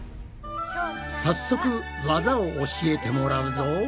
早速技を教えてもらうぞ。